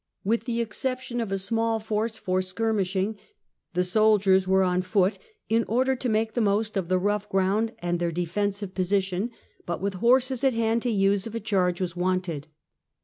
With the exception of a small force for skirmishing, the soldiers were on foot, in order to make the most of the rough ground and their defensive position, but with horses at hand to use if a charge was wanted.